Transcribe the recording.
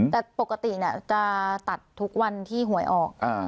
แต่ปกติจะตัดทุกวันที่หวยออก